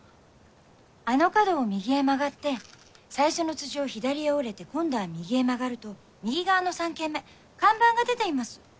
あの角を右へ曲がって最初の辻を左へ折れて今度は右へ曲がると右側の３軒目看板が出ています。